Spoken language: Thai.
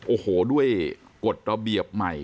โอ้โหด้วยกฎระเบียบใหม่